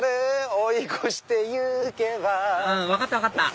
追い越して行けばうん分かった分かった